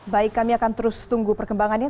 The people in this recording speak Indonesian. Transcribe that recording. baik kami akan terus tunggu perkembangannya